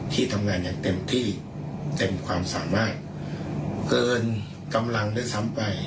ที่ทำงานอย่างเต็มที่เต็มความสามารถเกินกำลังด้วยซ้ำไป